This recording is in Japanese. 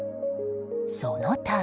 そのため。